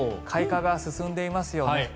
開花が進んでいますよね。